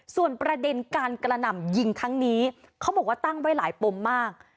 ส่วนประเด็นการกระหน่ำยิงครั้งนี้เขาบอกว่าตั้งไว้หลายปมมาก